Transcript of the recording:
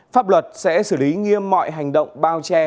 pháp luật sẽ xử lý nghiêm mọi hành động bao che